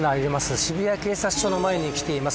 渋谷警察署の前に来ています。